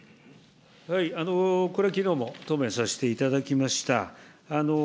これはきのうも答弁させていただきました。